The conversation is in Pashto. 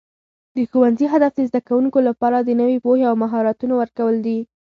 د ښوونځي هدف د زده کوونکو لپاره د نوي پوهې او مهارتونو ورکول دي.